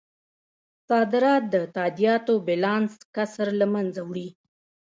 صادرات د تادیاتو بیلانس کسر له مینځه وړي.